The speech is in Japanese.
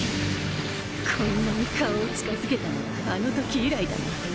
こんなに顔を近づけたのはあの時以来だな。